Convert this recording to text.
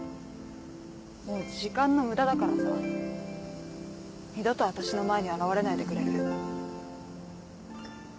もう時間の無駄だからさ二度と私の前に現れないでくれる？